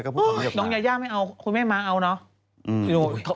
น้องยาย่าไม่เอาคุณแม่ม้าเอาเนอะ